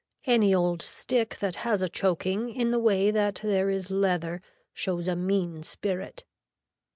Any old stick that has a choking in the way that there is leather shows a mean spirit.